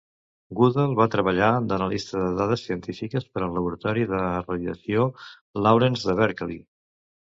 Goodall va treballar d'analista de dades científiques per al laboratori de radiació Lawrence de Berkeley.